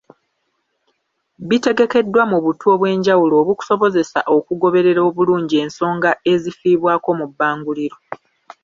Bitegekeddwa mu butu obw'enjawulo obukusobozesa okugoberera obulungi ensonga ezifiibwako mu bbanguliro.